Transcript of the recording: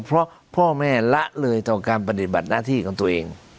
เพราะพ่อแม่ละเลยต่อการปฏิบัติหน้าที่ของตัวเอง